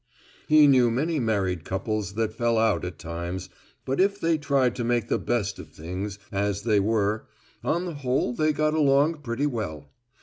He knew many married couples that fell out at times, but if they tried to make the best of things as they were, on the whole they got along pretty well.